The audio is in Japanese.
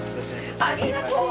ありがとう！